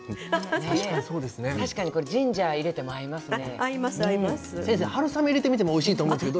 確かにジンジャー入れてもいいですね。